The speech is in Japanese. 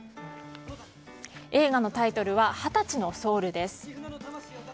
映画のタイトルは「２０歳のソウル」です。